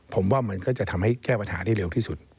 ผมว่ามันก็จะทำให้แก้ปัญหาได้เร็วที่สุด